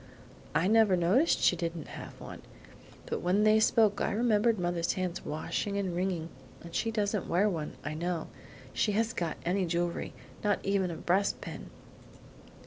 "I never noticed she didn't have one, but when they spoke I remembered mother's hands washing and wringing, and she doesn't wear one, I know. She hasn't got any jewelry, not even a breast pin."